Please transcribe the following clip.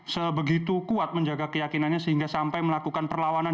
sebegitu kuat menjaga keyakinannya sehingga sampai melakukan perlawanan